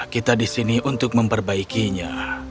kita di sini untuk memperbaikinya